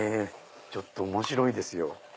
ちょっと面白いですよ。